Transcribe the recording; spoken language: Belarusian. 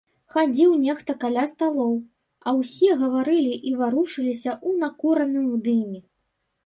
Хадзіў нехта каля сталоў, а ўсе гаварылі і варушыліся ў накураным дыме.